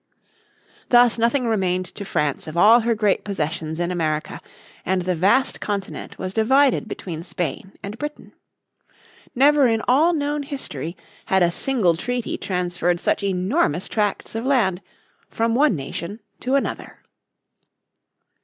Thus nothing remained to France of all her great possessions in America, and the vast continent was divided between Spain and Britain. Never in all known history had a single treaty transferred such enormous tracts of land from one nation to another.